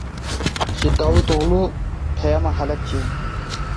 Ji Davutoglu peyama Helebceyê.